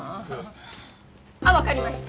あっわかりました。